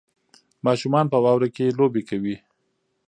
ماشومان په واوره کې لوبې کوي.